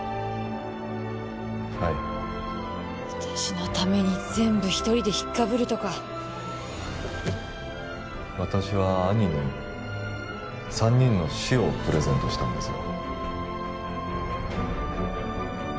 はい私のために全部一人でひっかぶるとか私は兄に三人の死をプレゼントしたんですよ